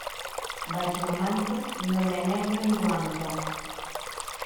Baix la manta no hi ha negra ni blanca.